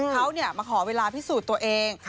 เขามาขอเวลาพิสูจน์ตัวเอง